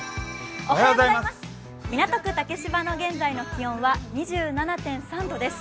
港区竹芝の現在の気温は２７．３度です。